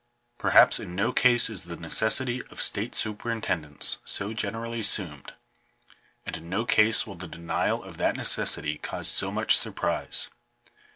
Perhaps in no case is the necessity of state superintendence so generally assumed; and in no case will the denial of that necessity cause so much surprise.